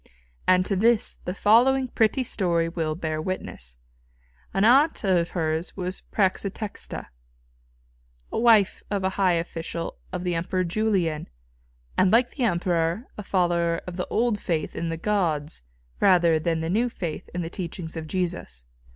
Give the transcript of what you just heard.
And to this the following pretty story will bear witness. An aunt of hers was Prætextata, wife of a high official of the Emperor Julian, and like the Emperor a follower of the old faith in the gods rather than the new faith in the teachings of Jesus.